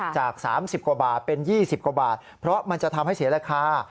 จาก๓๐กว่าบาทเป็น๒๐กว่าบาทเพราะมันจะทำให้เสียราคา